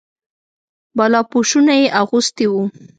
بالاپوشونه یې اغوستي وو.